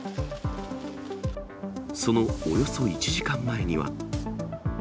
そのおよそ１時間前には。